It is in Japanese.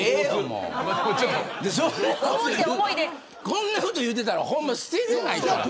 こんなこと言うてたらほんま捨てれないから。